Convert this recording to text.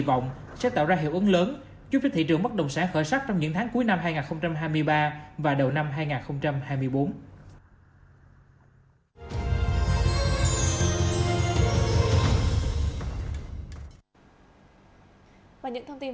vọng sẽ tạo ra hiệu ứng lớn giúp cho thị trường mất đồng sản khởi sắc trong những tháng cuối năm